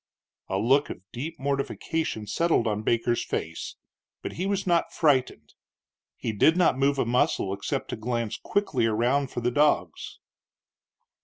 A look of deep mortification settled on Baker's face, but he was not frightened; he did not move a muscle, except to glance quickly around for the dogs.